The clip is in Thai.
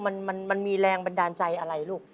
มันมีแรงบันดาลใจอะไรลูก